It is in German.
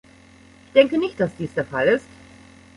Ich denke nicht, dass dies der Fall ist.